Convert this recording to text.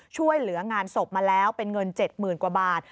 ช่วยเหลืองานศพมาแล้วเป็นเงิน๗๐๐๐กว่าบาท